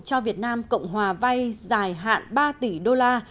cho việt nam cộng hòa vay dài hạn ba tỷ đô la